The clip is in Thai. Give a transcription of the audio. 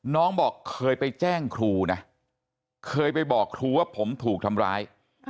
บอกเคยไปแจ้งครูนะเคยไปบอกครูว่าผมถูกทำร้าย